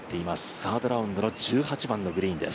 サードラウンドの１８番のグリーンです。